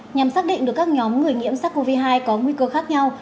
nhằm xác định được các nhóm người nhiễm sars cov hai có nguy cơ khác nhau